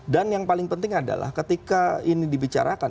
dan yang paling penting adalah ketika ini dibicarakan